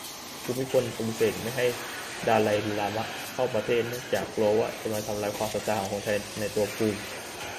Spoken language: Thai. ภูมิพลปฏิเสธไม่ให้ดาไลลามะ เข้าประเทศ เนื่องจากกลัวว่า จะมาทำลายความศรัทธาของคนไทยในตัวภูมิ